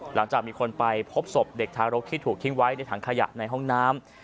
หลังจากมีคนไปพบศพเด็กทารกที่ถูกทิ้งไว้ในถังขยะในห้องน้ำ